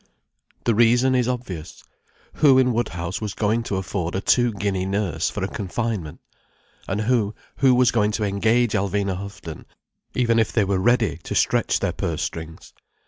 The reason is obvious. Who in Woodhouse was going to afford a two guinea nurse, for a confinement? And who who was going to engage Alvina Houghton, even if they were ready to stretch their purse strings?